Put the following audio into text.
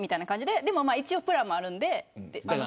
でも、一応プラもあるので。